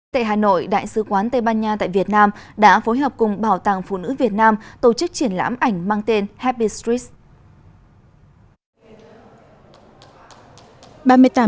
tại hà nội đại sứ quán tây ban nha tại việt nam đã phối hợp cùng bảo tàng phụ nữ việt nam tổ chức triển lãm ảnh mang tên happy street